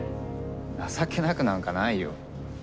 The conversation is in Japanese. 情けなくなんかないよ。